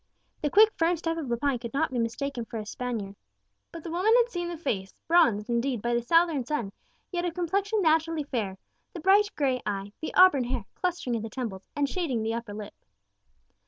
The quick, firm step of Lepine could not be mistaken for the step of a Spaniard. But the woman had seen the face, bronzed, indeed, by the southern sun, yet of complexion naturally fair; the bright gray eye; the auburn hair, clustering at the temples, and shading the upper lip.